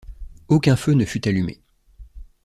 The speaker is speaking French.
Aucun feu ne fut allumé.